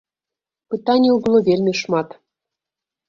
Пытанняў было вельмі шмат.